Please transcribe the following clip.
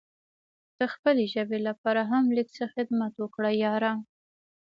د خپلې ژبې لپاره هم لږ څه خدمت وکړه یاره!